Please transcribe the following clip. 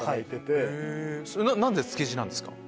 何で築地なんですか？